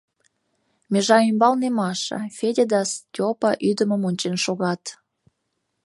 Межа ӱмбалне Маша, Федя да Степа ӱдымым ончем шогат.